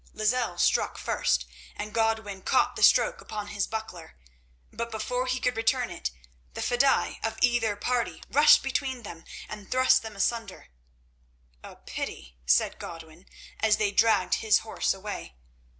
Lozelle struck first and Godwin caught the stroke upon his buckler, but before he could return it the fedaïs of either party rushed between them and thrust them asunder. "A pity," said Godwin, as they dragged his horse away.